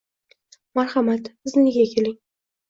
Marhamat, biznikiga keling.